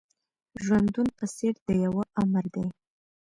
ژوندون په څېر د يوه آمر دی.